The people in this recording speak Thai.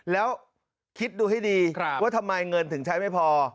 แล้วคิดดูให้ดีว่าทำไมเงินถึงใช้ไม่พอ